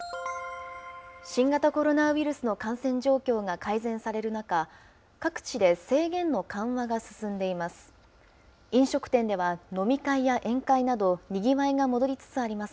新型コロナウイルスの感染状況が改善される中、各地で制限の緩和が進んでいます。